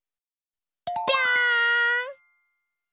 ぴょん！